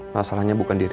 masalahnya bukan diri